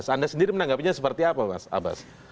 anda sendiri menanggapinya seperti apa mas abbas